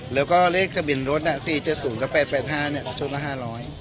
แล้วก็เลขทะเบียนรถ๔๗๐กับ๘๘๕ชุดละ๕๐๐บาท